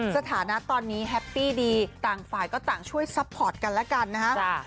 สถานะตอนนี้แฮปปี้ดีต่างฝ่ายก็ต่างช่วยซัพพอร์ตกันแล้วกันนะครับ